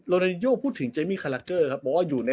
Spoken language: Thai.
โรนานิโยอธิถึงจิมมิคานรกเกร๊วครับเพราะว่าอยู่ใน